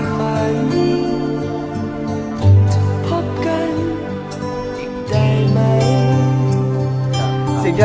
ว่านี้